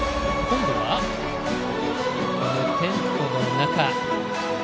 今度はテントの中。